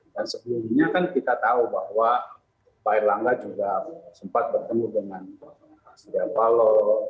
dan sebelumnya kan kita tahu bahwa pak herlangga juga sempat bertemu dengan pak sidjian palo